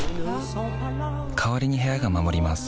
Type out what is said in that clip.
代わりに部屋が守ります